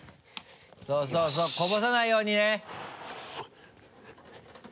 そうそうこぼさないようにね。